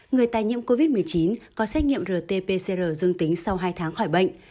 người tài nhiễm covid một mươi chín có xét nghiệm rt pcr dương tính sau hai tháng khỏi bệnh